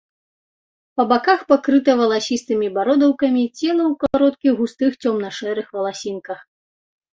Па баках пакрыта валасістымі бародаўкамі, цела ў кароткіх густых цёмна-шэрых валасінках.